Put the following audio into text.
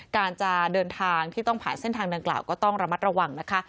การจะเดินทางที่ต้องผ่านเส้นทางดังกล่าวก็ต้องระมัดระวังนะคะ